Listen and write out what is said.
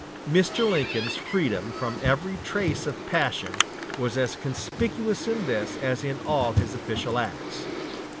Mr. Lincoln's freedom from every trace of passion was as conspicuous in this as in all his official acts.